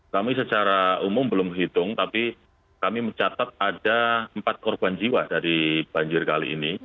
kami secara umum belum hitung tapi kami mencatat ada empat korban jiwa dari banjir kali ini